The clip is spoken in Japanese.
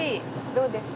どうですか？